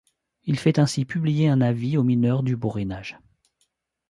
Il fait ainsi publier un avis aux mineurs du Borinage.